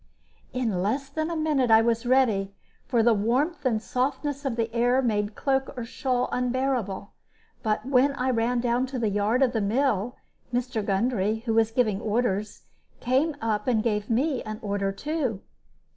In less than a minute I was ready, for the warmth and softness of the air made cloak or shawl unbearable. But when I ran down to the yard of the mill, Mr. Gundry, who was giving orders, came up and gave me an order too.